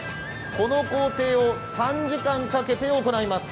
この工程を３時間かけて行います。